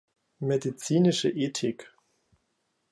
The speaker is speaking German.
Medizinische Ethik.